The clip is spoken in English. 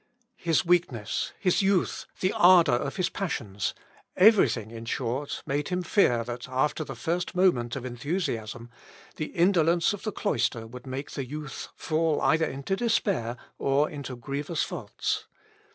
His weakness, his youth, the ardour of his passions, everything, in short, made him fear that after the first moment of enthusiasm, the indolence of the cloister would make the youth fall either into despair, or into grievous faults.